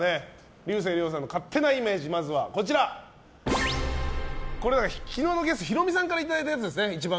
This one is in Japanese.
竜星涼さんの勝手なイメージ昨日のゲスト、ヒロミさんからいただいたやつですね。